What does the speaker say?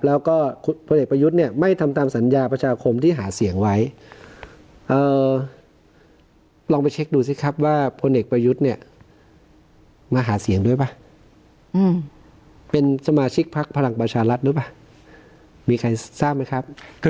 แล้วก็พลเอกประยุทธ์เนี่ยไม่ทำตามสัญญาประชาคมที่หาเสียงไว้ลองไปเช็คดูสิครับว่าพลเอกประยุทธ์เนี่ยมาหาเสียงด้วยป่ะเป็นสมาชิกพักพลังประชารัฐหรือเปล่ามีใครทราบไหมครับ